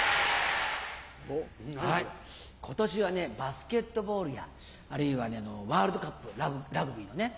今年はねバスケットボールやあるいはワールドカップラグビーのね。